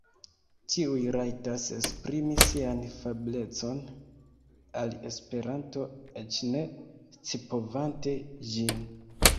Ĉiuj rajtas esprimi sian afablecon al Esperanto eĉ ne scipovante ĝin.